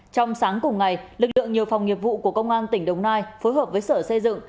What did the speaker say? trong sáng cùng ngày lực lượng nhiều phòng nghiệp vụ của công an tỉnh đồng nai phối hợp với sở xây dựng